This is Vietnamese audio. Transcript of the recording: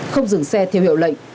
không dừng xe theo hiệu lệnh